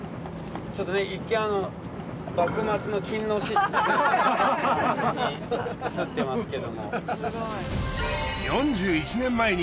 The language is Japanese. ちょっとね一見あの幕末の勤王志士のように映ってますけども。